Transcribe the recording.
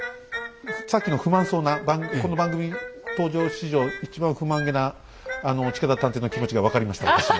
さっきの不満そうなこの番組登場史上一番不満げな近田探偵の気持ちが分かりました私も。